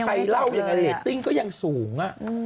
ใครเล่ายังไงเรตติ้งก็ยังสูง